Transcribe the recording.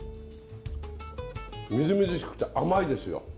みずみずしくて甘いですよ。